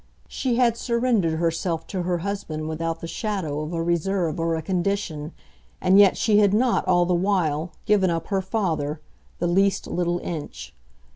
She had surrendered herself to her husband without the shadow of a reserve or a condition, and yet she had not, all the while, given up her father the least little inch.